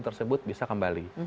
tersebut bisa kembali